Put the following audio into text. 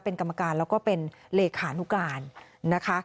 เป็นกรรมการแล้วก็เป็นเลขานุการนะคะ